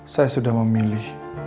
saya sudah memilih